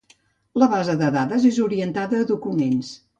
La base de dades és orientada a documents.